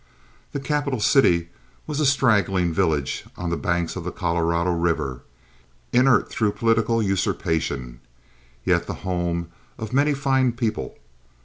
The capital city was a straggling village on the banks of the Colorado River, inert through political usurpation, yet the home of many fine people.